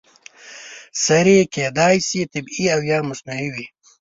سرې کیدای شي طبیعي او یا مصنوعي وي.